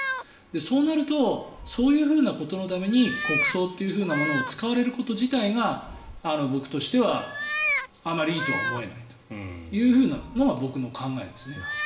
そうなるとそういうことのために国葬というものを使われること自体が僕としてはあまりいいとは思えないというのが僕の考えです。